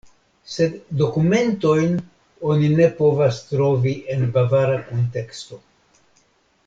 Sed dokumentojn oni ne povas trovi en bavara kunteksto.